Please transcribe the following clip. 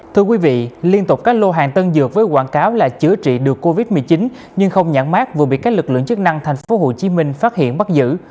thưa quý vị liên tục các lô hàng tân dược với quảng cáo là chữa trị được covid một mươi chín nhưng không nhãn mát vừa bị các lực lượng chức năng tp hcm phát hiện bắt giữ